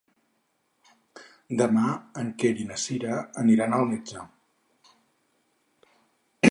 Demà en Quer i na Cira aniran al metge.